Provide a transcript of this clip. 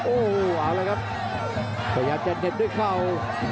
โอ้โหเอาละครับพยายามจะเด็ดด้วยเข่า